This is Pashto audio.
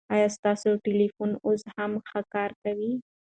ایا ستاسو ټلېفون اوس هم ښه کار کوي؟